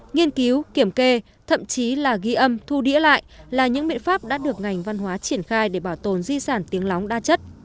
nghiên cứu kiểm kê thậm chí là ghi âm thu đĩa lại là những biện pháp đã được ngành văn hóa triển khai để bảo tồn di sản tiếng lóng đa chất